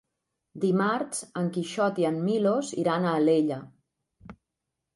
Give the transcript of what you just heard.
Dimarts en Quixot i en Milos iran a Alella.